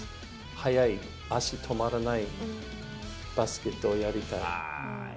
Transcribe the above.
速い、足止まらない、バスケットをやりたい。